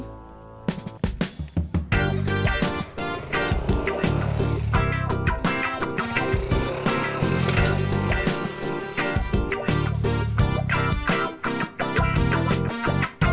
buat buatnya hebat monetaris